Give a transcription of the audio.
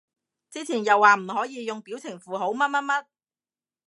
之前又話唔可以用表情符號乜乜乜